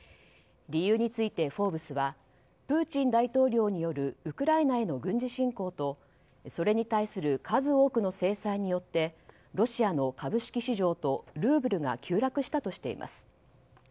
理由について「フォーブス」はプーチン大統領によるウクライナへの軍事侵攻とそれに対する数多くの制裁によってロシアの株式市場とルーブルが急落したとしています。